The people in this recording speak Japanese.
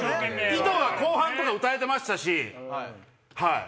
『糸』は後半とか歌えてましたし！